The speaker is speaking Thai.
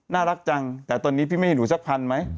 น่ารักจังแต่ตอนนี้พี่ไม่ให้หนูสักพันไหม